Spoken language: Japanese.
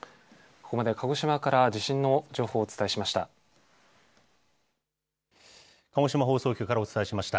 ここまで、鹿児島から地震の情報をお伝えしました。